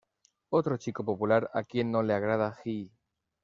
Otro chico popular a quien no le agrada Gii.